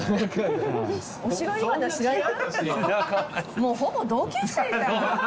もうほぼ同級生だ。